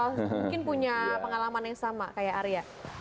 mungkin punya pengalaman yang sama kayak arya